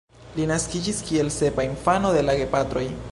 Li naskiĝis kiel sepa infano de la gepatroj.